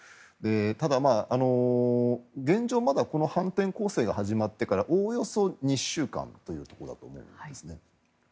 ただ、現状まだ反転攻勢が始まってからおおよそ２週間というところだと思うんですね。